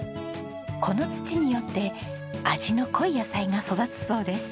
この土によって味の濃い野菜が育つそうです。